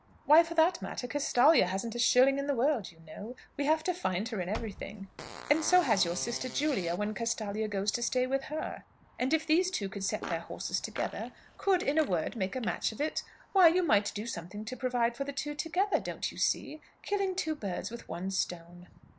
"Why, for that matter, Castalia hasn't a shilling in the world, you know. We have to find her in everything, and so has your sister Julia, when Castalia goes to stay with her. And if these two could set their horses together could, in a word, make a match of it why, you might do something to provide for the two together, don't you see? Killing two birds with one stone!"